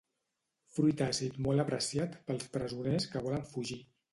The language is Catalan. Fruit àcid molt apreciat pels presoners que volen fugir.